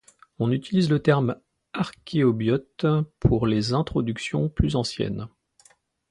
On utilise le terme archéobiote pour les introductions plus anciennes.